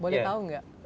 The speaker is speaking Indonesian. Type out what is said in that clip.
boleh tahu nggak